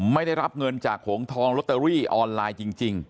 ไม่ได้รับเงินจากหงทองลอตเตอรี่ออนไลน์จริง